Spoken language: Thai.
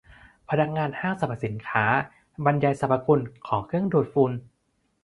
พนักงานห้างสรรพสินค้าบรรยายสรรพคุณของเครื่องดูดฝุ่น